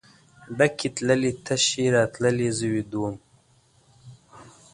ډکې تللې تشې راتللې زه ویده وم.